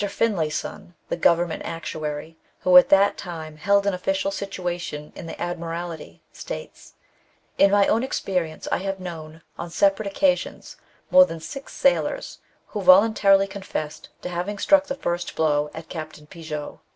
Finlayson, the Government actuary, who at that time held an official situation in the Admir alty, states :—" In my own experience I have known, on separate occasions, more than six sailors who volun tarily confessed to having struck the first blow at Capt. Pigot.